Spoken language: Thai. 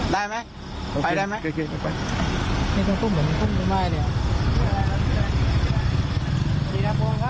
ได้ไหมผมไปได้ไหม